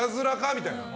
みたいな。